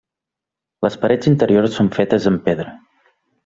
Les parets interiors són fetes amb pedra.